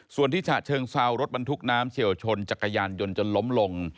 ส่วนที่ฉะเชิงเซารถบรรทุกน้ำเฉียวชนจักรยานยนต์จนล้มลง